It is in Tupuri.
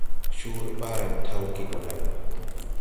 Coore ɓaaran tawge gɔ lay.